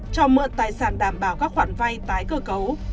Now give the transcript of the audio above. cho mượn tài sản đảm bảo các khoản vay tái cơ cấu